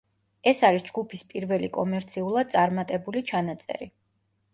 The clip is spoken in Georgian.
ეს არის ჯგუფის პირველი კომერციულად წარმატებული ჩანაწერი.